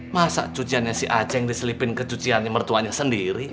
masa cuciannya si aceh yang diselipin kecuciannya mertuanya sendiri